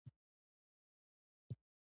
پامیر د افغانستان د صنعت لپاره ځینې مواد برابروي.